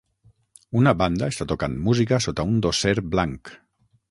Una banda està tocant música sota un dosser blanc